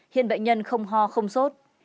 hiện bệnh nhân không ho không sốt